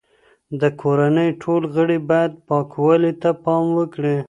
د کورنۍ ټول غړي باید پاکوالي ته پام وکړي.